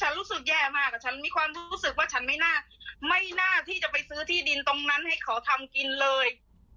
รู้สึกแย่มากฉันมีความรู้สึกว่าฉันไม่น่าไม่น่าที่จะไปซื้อที่ดินตรงนั้นให้เขาทำกินเลย